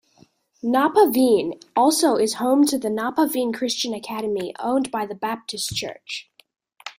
Napavine also is home to the Napavine Christian Academy owned by the Baptist church.